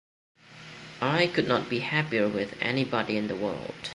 I could not be happier with anybody in the world.